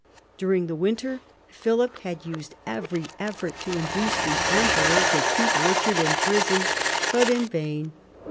During the winter Philip had used every effort to induce the emperor to keep Eichard in prison, but in vain.